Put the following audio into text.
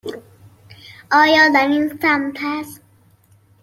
آیا در این سمت است؟